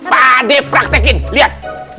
pak de praktekin liat